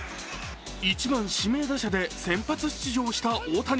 １番・指名打者で先発出場した大谷。